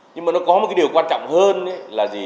nhưng mà nó có một cái điều quan trọng hơn là gì